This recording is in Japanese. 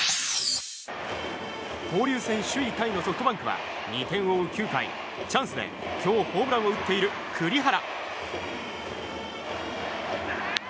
交流戦首位タイのソフトバンクは２点を追う９回チャンスで今日ホームランを打っている栗原。